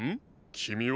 きみは？